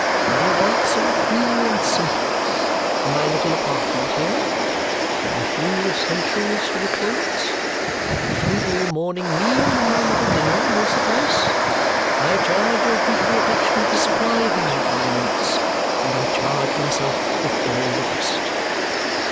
My wants are few and simple. My little apartment here, my few essentials for the toilet, my frugal morning meal, and my little dinner will suffice. I charge your dutiful affection with the supply of these requirements, and I charge myself with all the rest."